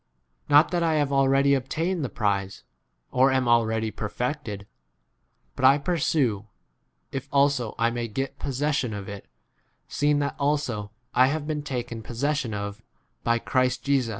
Not that I have already obtained [the prize], or am already perfected; but I pursue, if also I may get posses sion [of it], seeing that also 1 I have been taken possession of by 13 Christ Jesus.